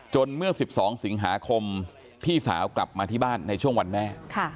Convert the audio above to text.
เมื่อ๑๒สิงหาคมพี่สาวกลับมาที่บ้านในช่วงวันแม่